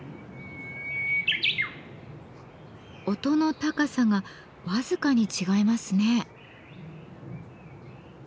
音の高さが僅かに違いますね。